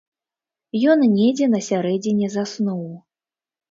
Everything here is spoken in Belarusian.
Ён недзе на сярэдзіне заснуў.